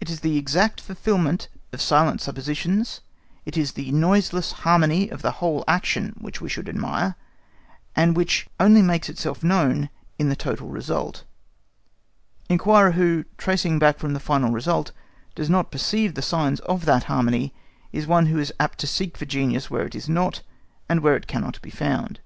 It is the exact fulfilment of silent suppositions, it is the noiseless harmony of the whole action which we should admire, and which only makes itself known in the total result. Inquirer who, tracing back from the final result, does not perceive the signs of that harmony is one who is apt to seek for genius where it is not, and where it cannot be found.